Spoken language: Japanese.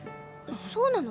そうなの？